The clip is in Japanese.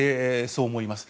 そう思います。